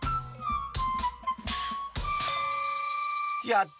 やった！